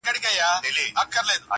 ته مي آیینه یې له غبار سره مي نه لګي!!